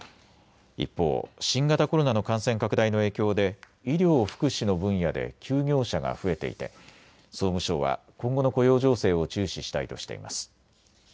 一方、新型コロナの感染拡大の影響で医療・福祉の分野で休業者が増えていて総務省は今後の雇用情勢を注視したいとしています。